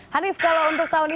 hanif kalau untuk tahun ini